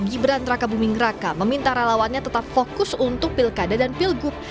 gibran traka bumingraka meminta relawannya tetap fokus untuk pilkada dan pilgub